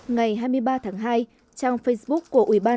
ngày hai mươi ba tháng hai trong facebook của uban